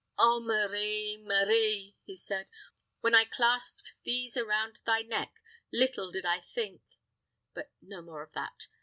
"Oh, Marie, Marie," he said, "when I clasped these round thy neck, little did I think But no more of that.